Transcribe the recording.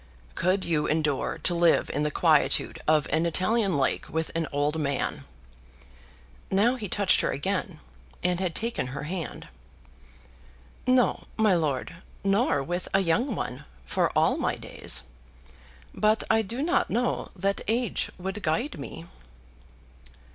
"Could you endure to live in the quietude of an Italian lake with an old man?" Now he touched her again, and had taken her hand. "No, my lord; nor with a young one, for all my days. But I do not know that age would guide me."